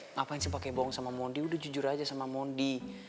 ngapain sih pakai bong sama mondi udah jujur aja sama mondi